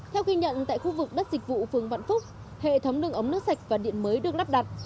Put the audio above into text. theo ghi nhận tại khu vực đất dịch vụ phường vạn phúc hệ thống đường ống nước sạch và điện mới được lắp đặt